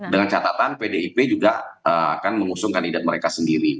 dengan catatan pdip juga akan mengusung kandidat mereka sendiri